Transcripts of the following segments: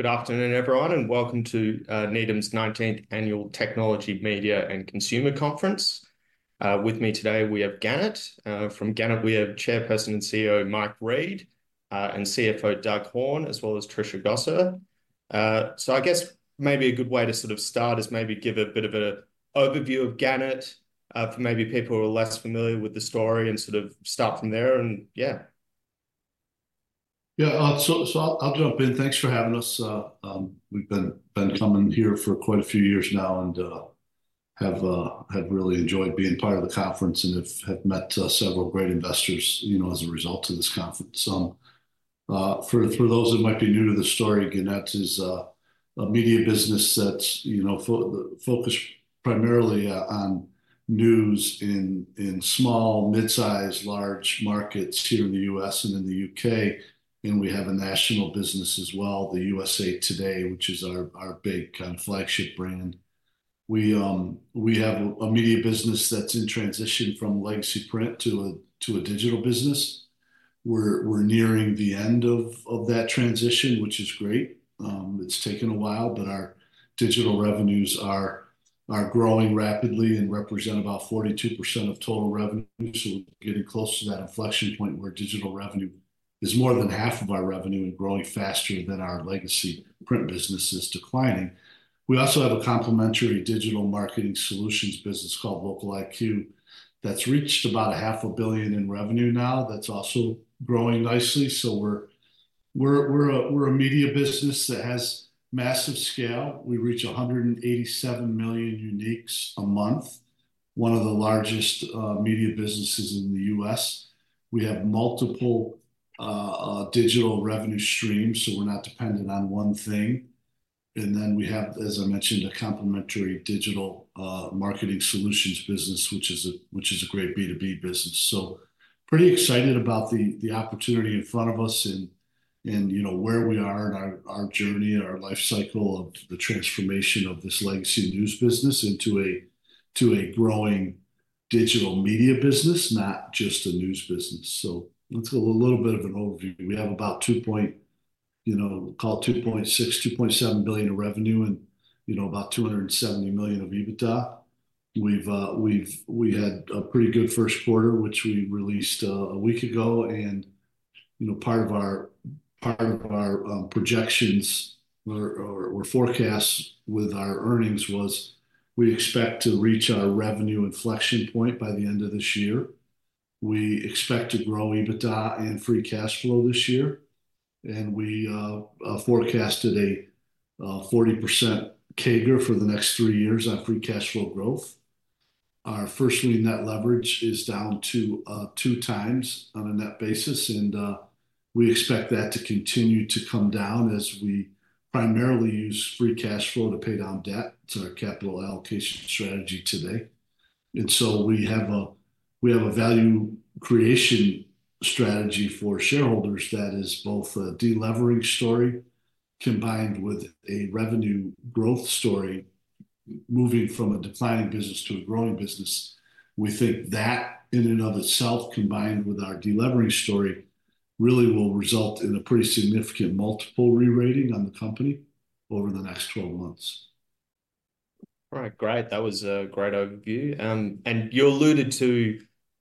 Good afternoon, everyone, and welcome to Needham's Nineteenth Annual Technology, Media, and Consumer Conference. With me today, we have Gannett. From Gannett, we have Chairperson and CEO Mike Reed and CFO Doug Horne, as well as Trisha Gosser. So I guess maybe a good way to sort of start is maybe give a bit of a overview of Gannett, for maybe people who are less familiar with the story and sort of start from there, and yeah. Yeah, so I'll jump in. Thanks for having us. We've been coming here for quite a few years now and have really enjoyed being part of the conference and have met several great investors, you know, as a result of this conference. For those who might be new to the story, Gannett is a media business that's, you know, focused primarily on news in small, mid-size, large markets here in the U.S. and in the U.K., and we have a national business as well, the USA TODAY, which is our big kind of flagship brand. We have a media business that's in transition from legacy print to a digital business. We're nearing the end of that transition, which is great. It's taken a while, but our digital revenues are growing rapidly and represent about 42% of total revenue. So getting close to that inflection point where digital revenue is more than half of our revenue and growing faster than our legacy print business is declining. We also have a complementary digital marketing solutions business called LOCALiQ, that's reached about $500 million in revenue now. That's also growing nicely. So we're a media business that has massive scale. We reach 187 million uniques a month, one of the largest media businesses in the U.S. We have multiple digital revenue streams, so we're not dependent on one thing. And then we have, as I mentioned, a complementary digital marketing solutions business, which is a great B2B business. So pretty excited about the opportunity in front of us and, you know, where we are in our journey, our life cycle of the transformation of this legacy news business into a growing digital media business, not just a news business. So that's a little bit of an overview. We have about $2.6 billion-$2.7 billion in revenue and, you know, about $270 million of EBITDA. We've we had a pretty good first quarter, which we released a week ago and, you know, part of our projections or forecasts with our earnings was we expect to reach our revenue inflection point by the end of this year. We expect to grow EBITDA and Free Cash Flow this year, and we forecasted a 40% CAGR for the next three years on Free Cash Flow growth. Our First Lien Net Leverage is down to two times on a net basis, and we expect that to continue to come down as we primarily use Free Cash Flow to pay down debt to our capital allocation strategy today. And so we have a, we have a value creation strategy for shareholders that is both a delevering story combined with a revenue growth story, moving from a declining business to a growing business. We think that in and of itself, combined with our delevering story, really will result in a pretty significant multiple re-rating on the company over the next 12 months. All right, great. That was a great overview. And you alluded to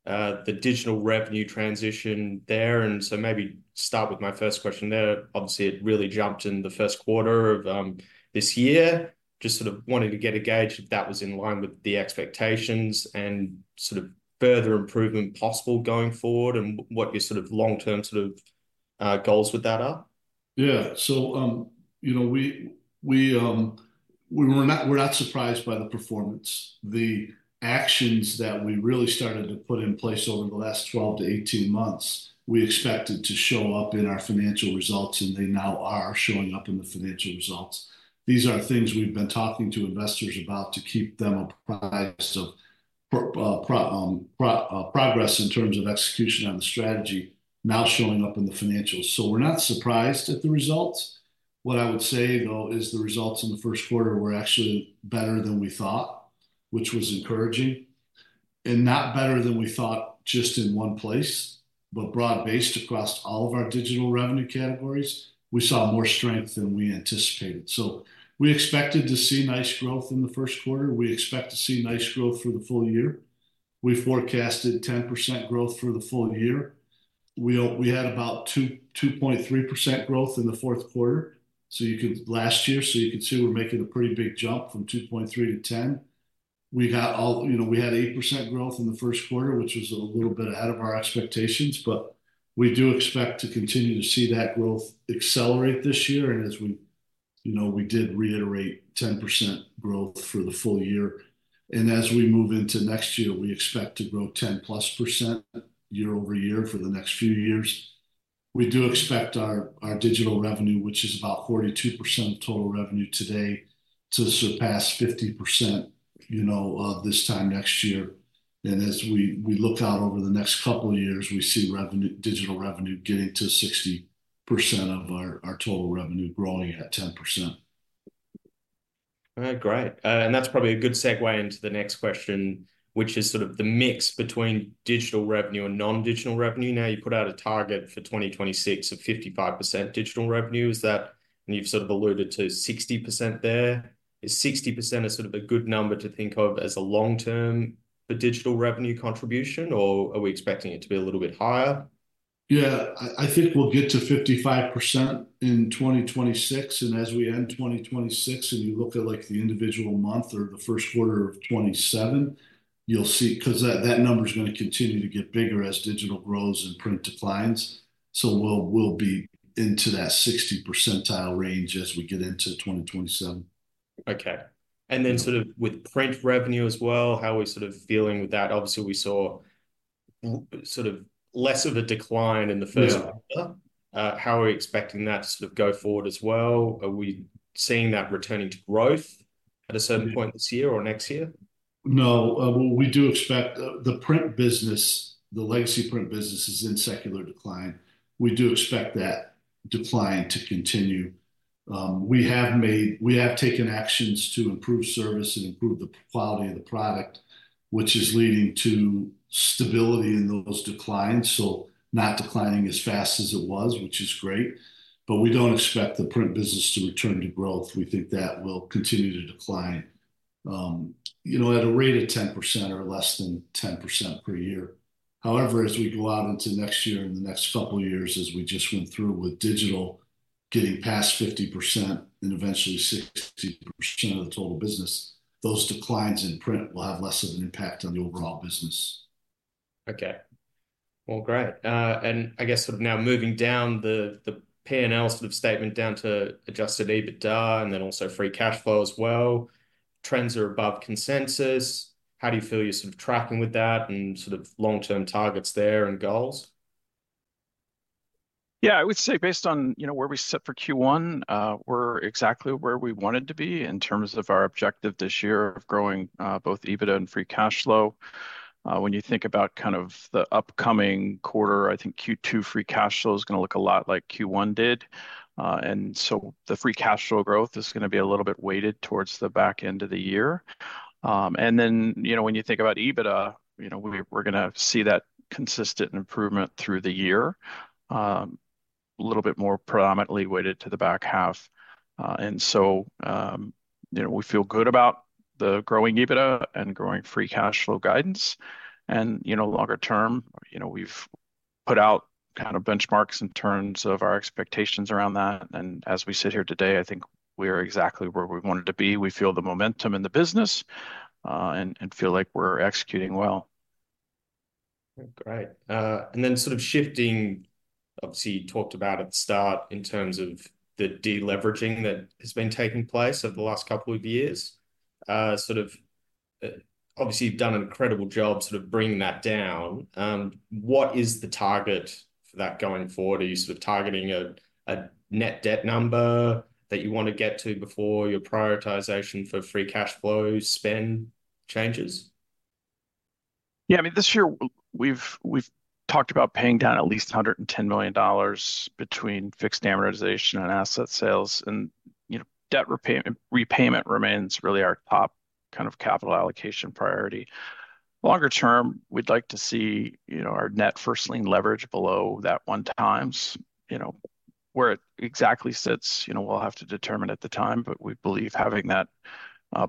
the digital revenue transition there, and so maybe start with my first question there. Obviously, it really jumped in the first quarter of this year. Just sort of wanted to get a gauge if that was in line with the expectations and sort of further improvement possible going forward, and what your sort of long-term sort of goals with that are. Yeah. So, you know, we were not, we're not surprised by the performance. The actions that we really started to put in place over the last 12 months to 18 months, we expected to show up in our financial results, and they now are showing up in the financial results. These are things we've been talking to investors about to keep them apprised of progress in terms of execution on the strategy now showing up in the financials. So we're not surprised at the results. What I would say, though, is the results in the first quarter were actually better than we thought, which was encouraging, and not better than we thought just in one place, but broad-based across all of our digital revenue categories, we saw more strength than we anticipated. So we expected to see nice growth in the first quarter. We expect to see nice growth through the full year. We forecasted 10% growth through the full year. We had about 2.3% growth in the fourth quarter last year, so you can see we're making a pretty big jump from 2.3 to 10. You know, we had 8% growth in the first quarter, which was a little bit ahead of our expectations, but we do expect to continue to see that growth accelerate this year. And as we, you know, we did reiterate 10% growth for the full year. And as we move into next year, we expect to grow 10%+ year-over-year for the next few years. We do expect our digital revenue, which is about 42% of total revenue today, to surpass 50%, you know, this time next year. As we look out over the next couple of years, we see revenue, digital revenue getting to 60% of our total revenue growing at 10%.... All right, great. And that's probably a good segue into the next question, which is sort of the mix between digital revenue and non-digital revenue. Now, you put out a target for 2026 of 55% digital revenue. Is that- and you've sort of alluded to 60% there. Is 60% a sort of a good number to think of as a long-term for digital revenue contribution, or are we expecting it to be a little bit higher? Yeah, I think we'll get to 55% in 2026, and as we end 2026, and you look at, like, the individual month or the first quarter of 2027, you'll see, 'cause that number is gonna continue to get bigger as digital grows and print declines. So we'll be into that 60 percentile range as we get into 2027. Okay. And then sort of with print revenue as well, how are we sort of feeling with that? Obviously, we saw sort of less of a decline in the first quarter. Yeah. How are we expecting that to sort of go forward as well? Are we seeing that returning to growth at a certain point this year or next year? No. Well, we do expect. The print business, the legacy print business, is in secular decline. We do expect that decline to continue. We have taken actions to improve service and improve the quality of the product, which is leading to stability in those declines. So not declining as fast as it was, which is great, but we don't expect the print business to return to growth. We think that will continue to decline, you know, at a rate of 10% or less than 10% per year. However, as we go out into next year and the next couple of years, as we just went through with digital, getting past 50% and eventually 60% of the total business, those declines in print will have less of an impact on the overall business. Okay. Well, great. And I guess sort of now moving down the, the P&L sort of statement down to adjusted EBITDA and then also Free Cash Flow as well, trends are above consensus. How do you feel you're sort of tracking with that and sort of long-term targets there and goals? Yeah, I would say, based on, you know, where we sit for Q1, we're exactly where we wanted to be in terms of our objective this year of growing both EBITDA and Free Cash Flow. When you think about kind of the upcoming quarter, I think Q2 Free Cash Flow is gonna look a lot like Q1 did. And so the Free Cash Flow growth is gonna be a little bit weighted towards the back end of the year. And then, you know, when you think about EBITDA, you know, we're gonna see that consistent improvement through the year, a little bit more predominantly weighted to the back half. And so, you know, we feel good about the growing EBITDA and growing Free Cash Flow guidance. And, you know, longer term, you know, we've put out kind of benchmarks in terms of our expectations around that. And as we sit here today, I think we're exactly where we wanted to be. We feel the momentum in the business, and, and feel like we're executing well. Great. And then sort of shifting, obviously, you talked about at the start in terms of the de-leveraging that has been taking place over the last couple of years. Sort of, obviously, you've done an incredible job sort of bringing that down. What is the target for that going forward? Are you sort of targeting a net debt number that you want to get to before your prioritization for Free Cash Flow spend changes? Yeah, I mean, this year we've talked about paying down at least $110 million between fixed amortization and asset sales. And, you know, debt repayment remains really our top kind of capital allocation priority. Longer term, we'd like to see, you know, our net First Lien leverage below that 1x. You know, where it exactly sits, you know, we'll have to determine at the time, but we believe having that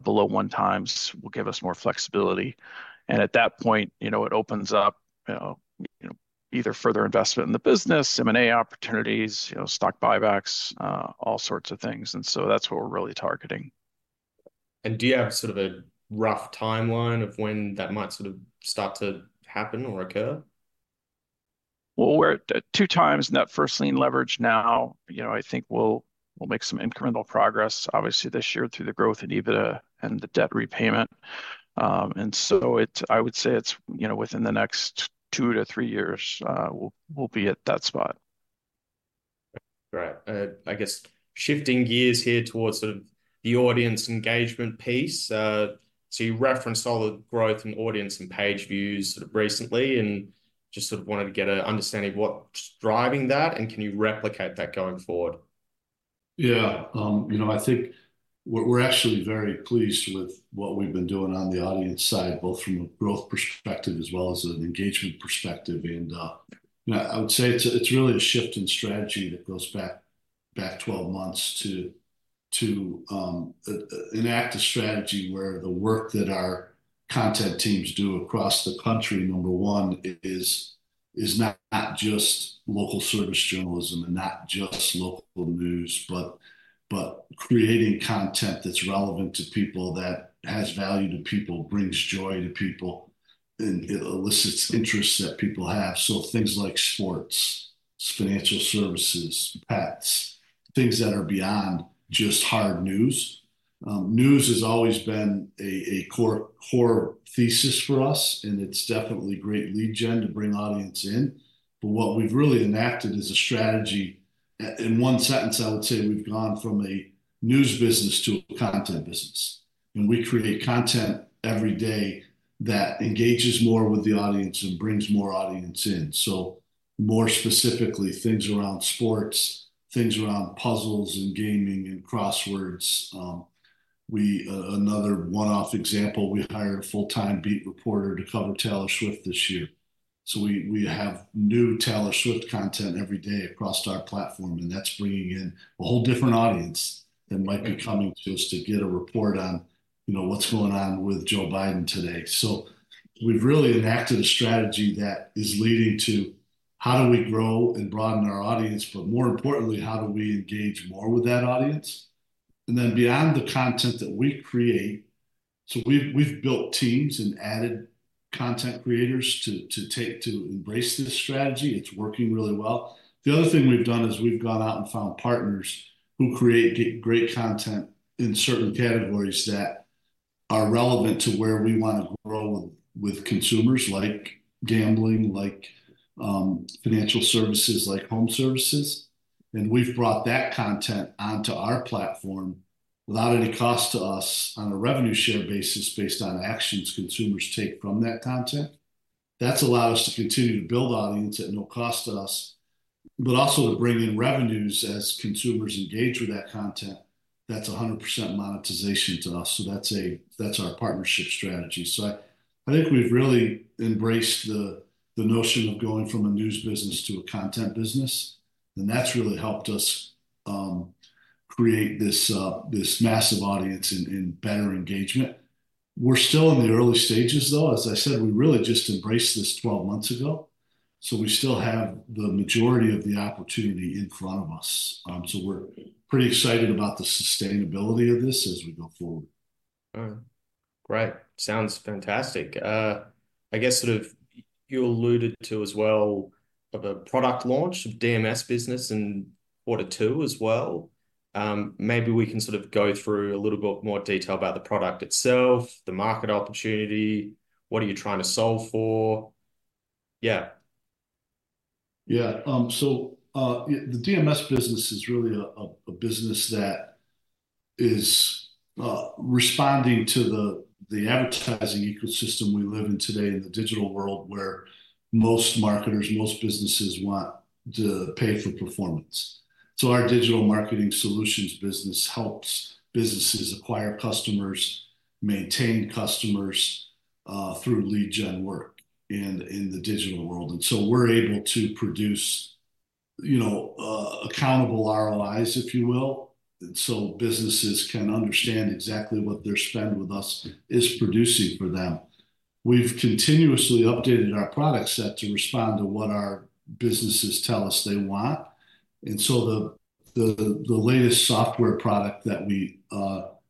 below 1x will give us more flexibility. And at that point, you know, it opens up, you know, you know, either further investment in the business, M&A opportunities, you know, stock buybacks, all sorts of things. And so that's what we're really targeting. Do you have sort of a rough timeline of when that might sort of start to happen or occur? Well, we're at 2x First Lien Net Leverage now. You know, I think we'll make some incremental progress, obviously, this year through the growth in EBITDA and the debt repayment. And so, I would say it's, you know, within the next two-three years, we'll be at that spot. Great. I guess, shifting gears here towards sort of the audience engagement piece. So you referenced all the growth in audience and page views sort of recently, and just sort of wanted to get an understanding of what's driving that, and can you replicate that going forward? Yeah. You know, I think we're actually very pleased with what we've been doing on the audience side, both from a growth perspective as well as an engagement perspective. And, you know, I would say it's really a shift in strategy that goes back 12 months to enact a strategy where the work that our content teams do across the country, number one, is not just local service journalism and not just local news, but creating content that's relevant to people, that has value to people, brings joy to people, and it elicits interests that people have. So things like sports, financial services, pets, things that are beyond just hard news. News has always been a core thesis for us, and it's definitely great lead gen to bring audience in. But what we've really enacted is a strategy. In one sentence, I would say we've gone from a news business to a content business, and we create content every day that engages more with the audience and brings more audience in. So more specifically, things around sports, things around puzzles and gaming and crosswords. Another one-off example, we hired a full-time beat reporter to cover Taylor Swift this year. So we have new Taylor Swift content every day across our platform, and that's bringing in a whole different audience than might be coming to us to get a report on, you know, what's going on with Joe Biden today. So we've really enacted a strategy that is leading to how do we grow and broaden our audience, but more importantly, how do we engage more with that audience? And then beyond the content that we create, so we've built teams and added content creators to embrace this strategy. It's working really well. The other thing we've done is we've gone out and found partners who create great content in certain categories that are relevant to where we wanna grow with consumers, like gambling, like financial services, like home services. And we've brought that content onto our platform without any cost to us on a revenue share basis, based on actions consumers take from that content. That's allowed us to continue to build audience at no cost to us, but also to bring in revenues as consumers engage with that content. That's 100% monetization to us, so that's our partnership strategy. So I think we've really embraced the notion of going from a news business to a content business, and that's really helped us create this this massive audience and better engagement. We're still in the early stages, though. As I said, we really just embraced this 12 months ago, so we still have the majority of the opportunity in front of us. So we're pretty excited about the sustainability of this as we go forward. All right. Great. Sounds fantastic. I guess sort of you alluded to as well of a product launch of DMS business in quarter two as well. Maybe we can sort of go through a little bit more detail about the product itself, the market opportunity, what are you trying to solve for? Yeah. Yeah. So, the DMS business is really a business that is responding to the advertising ecosystem we live in today in the digital world, where most marketers, most businesses want to pay for performance. So our digital marketing solutions business helps businesses acquire customers, maintain customers through lead gen work in the digital world. And so we're able to produce, you know, accountable ROIs, if you will, so businesses can understand exactly what their spend with us is producing for them. We've continuously updated our product set to respond to what our businesses tell us they want. The latest software product that we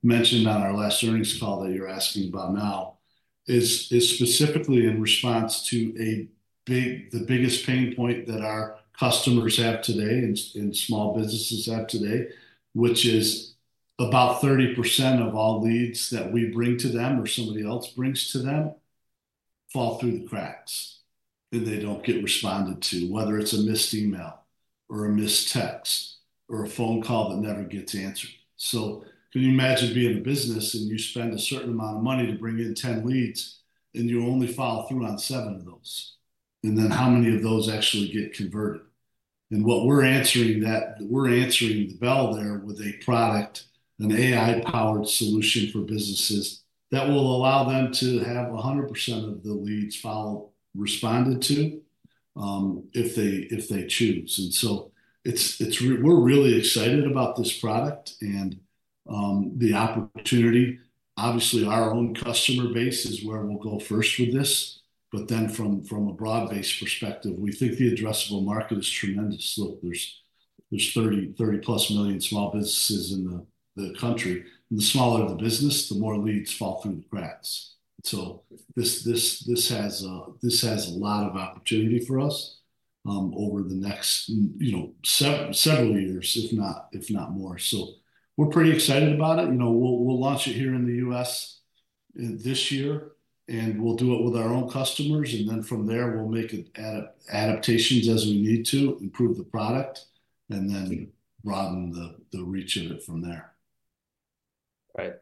mentioned on our last earnings call that you're asking about now is specifically in response to the biggest pain point that our customers have today and small businesses have today, which is about 30% of all leads that we bring to them or somebody else brings to them fall through the cracks, and they don't get responded to, whether it's a missed email or a missed text or a phone call that never gets answered. So can you imagine being a business, and you spend a certain amount of money to bring in 10 leads, and you only follow through on seven of those? And then how many of those actually get converted? What we're answering the bell there with a product, an AI-powered solution for businesses that will allow them to have 100% of the leads followed, responded to, if they choose. And so we're really excited about this product and the opportunity. Obviously, our own customer base is where we'll go first with this, but then from a broad-based perspective, we think the addressable market is tremendous. Look, there's 30-plus million small businesses in the country. The smaller the business, the more leads fall through the cracks. So this has a lot of opportunity for us over the next, you know, several years, if not more. So we're pretty excited about it. You know, we'll launch it here in the U.S. this year, and we'll do it with our own customers, and then from there, we'll make adaptations as we need to, improve the product, and then broaden the reach of it from there. Right.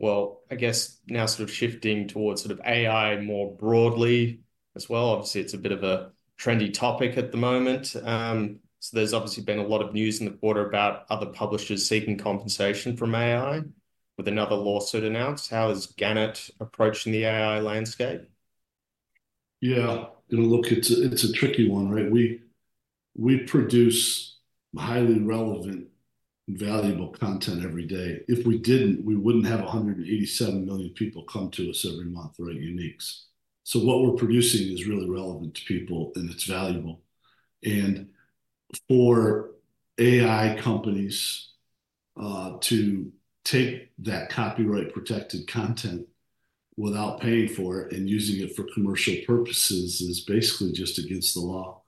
Well, I guess now sort of shifting towards sort of AI more broadly as well. Obviously, it's a bit of a trendy topic at the moment. So there's obviously been a lot of news in the quarter about other publishers seeking compensation from AI, with another lawsuit announced. How is Gannett approaching the AI landscape? Yeah, you know, look, it's a, it's a tricky one, right? We, we produce highly relevant and valuable content every day. If we didn't, we wouldn't have 187 million people come to us every month, right, uniques. So what we're producing is really relevant to people, and it's valuable. And for AI companies to take that copyright-protected content without paying for it and using it for commercial purposes is basically just against the law.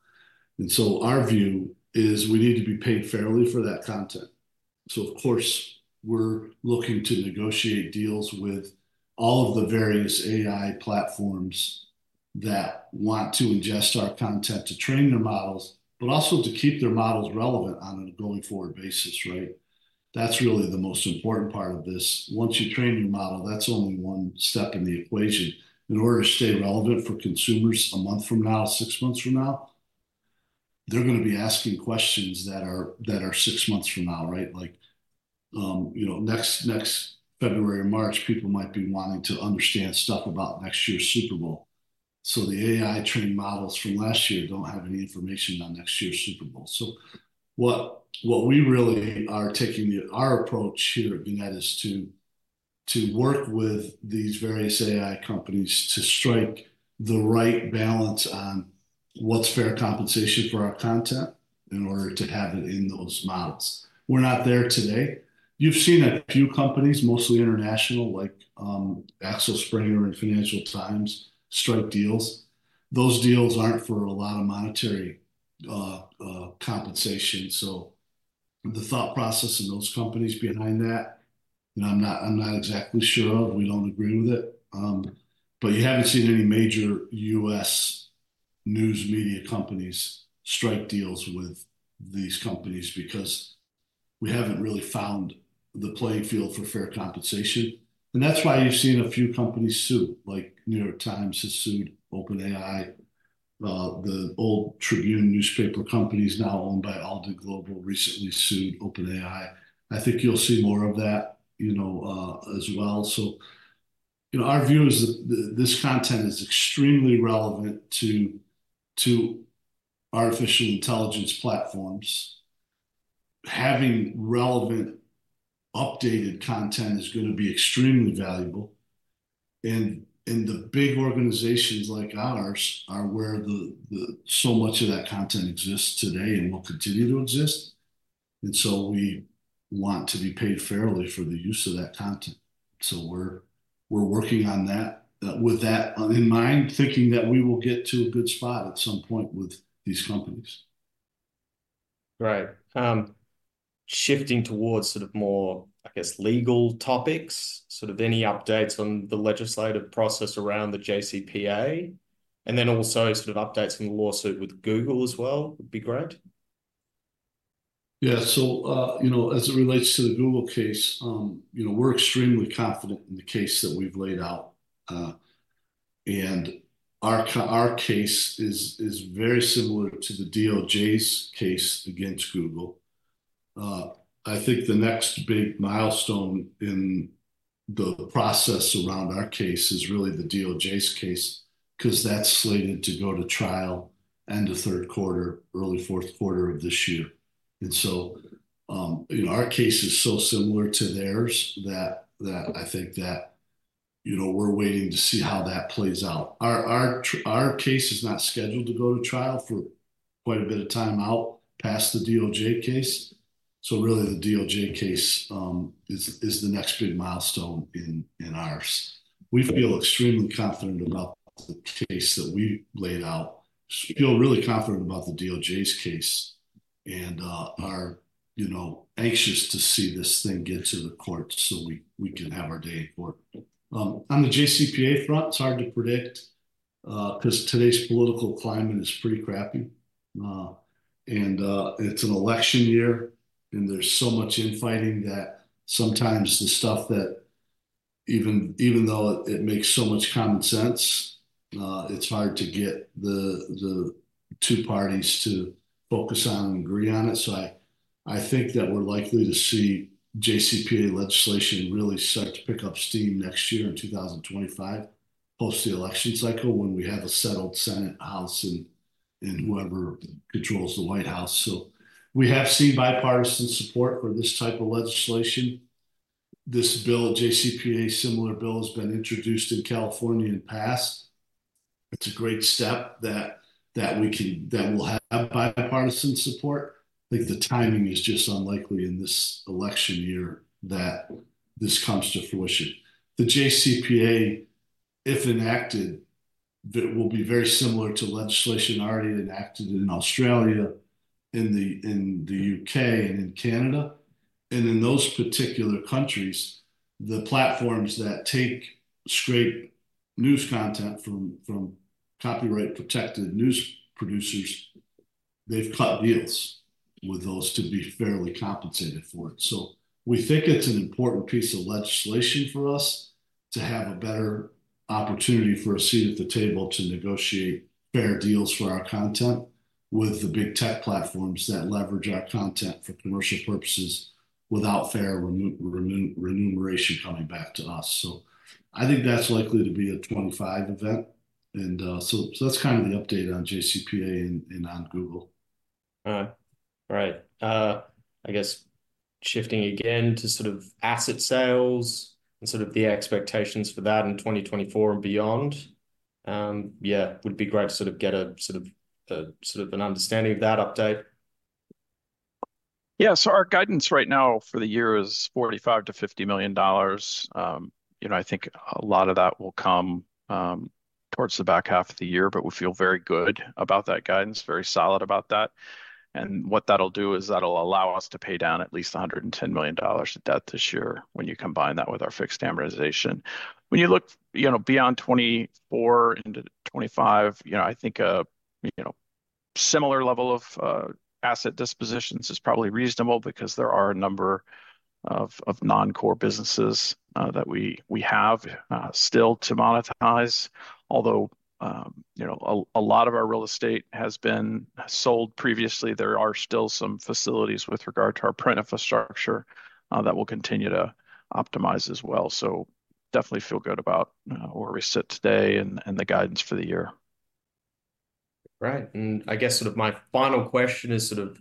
And so our view is we need to be paid fairly for that content. So of course, we're looking to negotiate deals with all of the various AI platforms that want to ingest our content to train their models, but also to keep their models relevant on a going-forward basis, right? That's really the most important part of this. Once you train your model, that's only one step in the equation. In order to stay relevant for consumers a month from now, six months from now, they're gonna be asking questions that are, that are six months from now, right? Like, you know, next, next February or March, people might be wanting to understand stuff about next year's Super Bowl. So the AI training models from last year don't have any information on next year's Super Bowl. So what, what we really are taking, our approach here at Gannett is to, to work with these various AI companies to strike the right balance on what's fair compensation for our content in order to have it in those models. We're not there today. You've seen a few companies, mostly international, like, Axel Springer and Financial Times, strike deals. Those deals aren't for a lot of monetary compensation. So the thought process in those companies behind that, and I'm not exactly sure of, we don't agree with it. But you haven't seen any major U.S. news media companies strike deals with these companies because we haven't really found the playing field for fair compensation. And that's why you've seen a few companies sue, like New York Times has sued OpenAI. The old Tribune Newspaper Company is now owned by Alden Global, recently sued OpenAI. I think you'll see more of that, you know, as well. So, you know, our view is that this content is extremely relevant to artificial intelligence platforms. Having relevant, updated content is gonna be extremely valuable. The big organizations like ours are where so much of that content exists today and will continue to exist, and so we want to be paid fairly for the use of that content. We're working on that with that in mind, thinking that we will get to a good spot at some point with these companies. Right. Shifting towards sort of more, I guess, legal topics, sort of any updates on the legislative process around the JCPA, and then also sort of updates on the lawsuit with Google as well, would be great. Yeah. So, you know, as it relates to the Google case, you know, we're extremely confident in the case that we've laid out. And our case is very similar to the DOJ's case against Google. I think the next big milestone in the process around our case is really the DOJ's case, 'cause that's slated to go to trial end of third quarter, early fourth quarter of this year. And so, you know, our case is so similar to theirs that I think that, you know, we're waiting to see how that plays out. Our case is not scheduled to go to trial for quite a bit of time out past the DOJ case. So really, the DOJ case is the next big milestone in ours. We feel extremely confident about the case that we laid out. We feel really confident about the DOJ's case and are, you know, anxious to see this thing get to the court so we can have our day in court. On the JCPA front, it's hard to predict 'cause today's political climate is pretty crappy. And it's an election year, and there's so much infighting that sometimes the stuff that even though it makes so much common sense, it's hard to get the two parties to focus on and agree on it. So I think that we're likely to see JCPA legislation really start to pick up steam next year in 2025, post the election cycle, when we have a settled Senate, House, and whoever controls the White House. So we have seen bipartisan support for this type of legislation. This bill, JCPA, a similar bill has been introduced in California in the past. It's a great step that will have bipartisan support. I think the timing is just unlikely in this election year that this comes to fruition. The JCPA, if enacted, that will be very similar to legislation already enacted in Australia, in the U.K., and in Canada. And in those particular countries, the platforms that scrape news content from copyright-protected news producers, they've cut deals with those to be fairly compensated for it. So we think it's an important piece of legislation for us to have a better opportunity for a seat at the table to negotiate fair deals for our content with the big tech platforms that leverage our content for commercial purposes without fair remuneration coming back to us. So I think that's likely to be a 2025 event. And, so that's kind of the update on JCPA and on Google. All right. I guess shifting again to sort of asset sales and sort of the expectations for that in 2024 and beyond, yeah, would be great to sort of get sort of an understanding of that update. Yeah. So our guidance right now for the year is $45 million-$50 million. You know, I think a lot of that will come towards the back half of the year, but we feel very good about that guidance, very solid about that. And what that'll do is that'll allow us to pay down at least $110 million of debt this year when you combine that with our fixed amortization. When you look, you know, beyond 2024 into 2025, you know, I think similar level of asset dispositions is probably reasonable because there are a number of non-core businesses that we have still to monetize. Although, you know, a lot of our real estate has been sold previously, there are still some facilities with regard to our print infrastructure that we'll continue to optimize as well. So definitely feel good about where we sit today and the guidance for the year. Right. And I guess sort of my final question is sort of,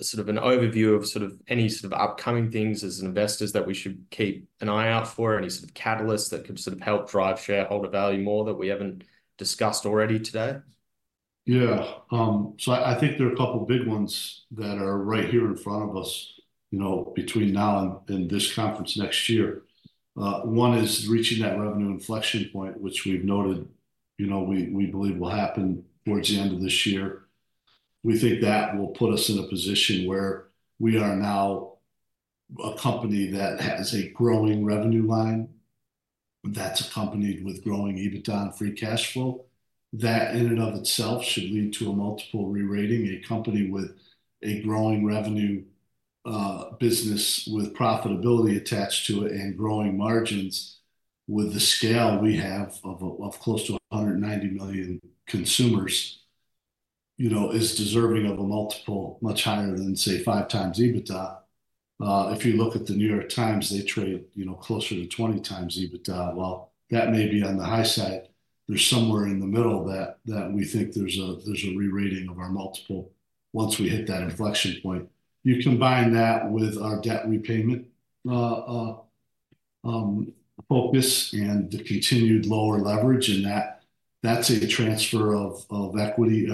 sort of an overview of sort of any sort of upcoming things as investors that we should keep an eye out for, any sort of catalysts that could sort of help drive shareholder value more that we haven't discussed already today? Yeah. So I think there are a couple of big ones that are right here in front of us, you know, between now and this conference next year. One is reaching that revenue inflection point, which we've noted, you know, we believe will happen towards the end of this year. We think that will put us in a position where we are now a company that has a growing revenue line, that's accompanied with growing EBITDA and Free Cash Flow. That in and of itself should lead to a multiple re-rating. A company with a growing revenue, business with profitability attached to it and growing margins with the scale we have of close to 190 million consumers, you know, is deserving of a multiple, much higher than, say, five times EBITDA. If you look at the New York Times, they trade, you know, closer to 20 times EBITDA. While that may be on the high side, there's somewhere in the middle of that that we think there's a re-rating of our multiple once we hit that inflection point. You combine that with our debt repayment focus and the continued lower leverage, and that, that's a transfer of equity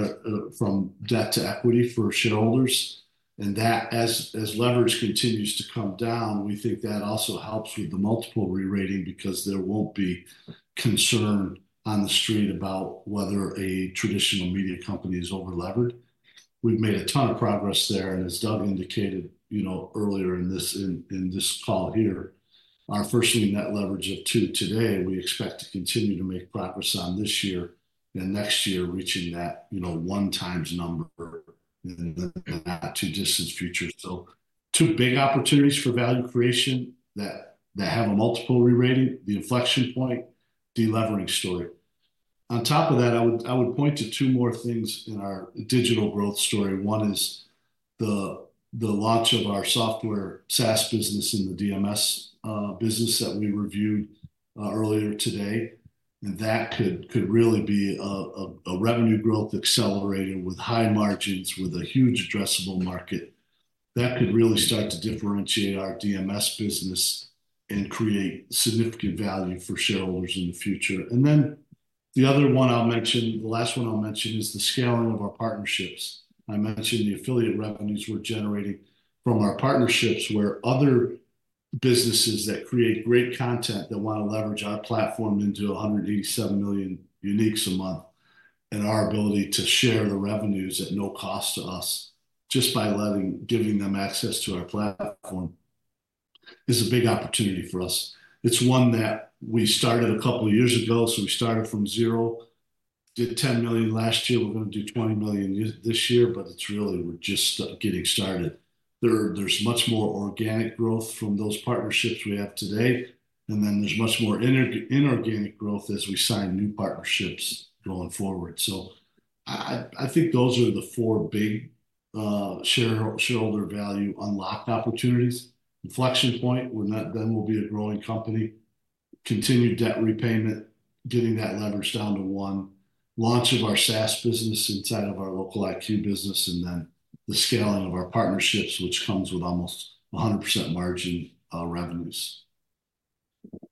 from debt to equity for shareholders. And that, as leverage continues to come down, we think that also helps with the multiple re-rating because there won't be concern on the street about whether a traditional media company is over-levered. We've made a ton of progress there, and as Doug indicated, you know, earlier in this call here, our First Lien Net Leverage of two today, we expect to continue to make progress on this year and next year, reaching that, you know, one times number in the not too distant future. So two big opportunities for value creation that have a multiple re-rating, the inflection point, de-levering story. On top of that, I would point to two more things in our digital growth story. One is the launch of our software SaaS business and the DMS business that we reviewed earlier today, and that could really be a revenue growth accelerator with high margins, with a huge addressable market. That could really start to differentiate our DMS business and create significant value for shareholders in the future. Then the other one I'll mention, the last one I'll mention, is the scaling of our partnerships. I mentioned the affiliate revenues we're generating from our partnerships, where other businesses that create great content, they wanna leverage our platform into 187 million uniques a month, and our ability to share the revenues at no cost to us, just by giving them access to our platform, is a big opportunity for us. It's one that we started a couple of years ago, so we started from zero, did $10 million last year. We're gonna do $20 million this year, but it's really, we're just getting started. There's much more organic growth from those partnerships we have today, and then there's much more inorganic growth as we sign new partnerships going forward. So I think those are the four big shareholder value unlocked opportunities: inflection point, when that then we'll be a growing company. Continued debt repayment, getting that leverage down to one. Launch of our SaaS business inside of our LocaliQ business. And then the scaling of our partnerships, which comes with almost 100% margin revenues.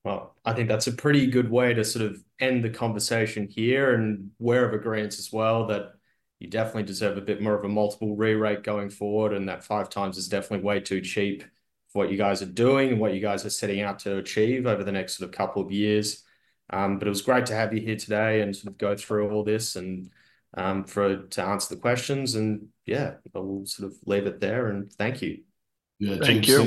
Well, I think that's a pretty good way to sort of end the conversation here, and we're in agreeance as well that you definitely deserve a bit more of a multiple re-rate going forward, and that five times is definitely way too cheap for what you guys are doing and what you guys are setting out to achieve over the next couple of years. But it was great to have you here today and sort of go through all this and, for, to answer the questions, and, yeah, I'll sort of leave it there, and thank you. Yeah. Thank you.